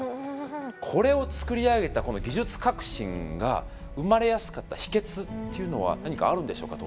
これを造り上げた技術革新が生まれやすかった秘けつっていうのは何かあるんでしょうか？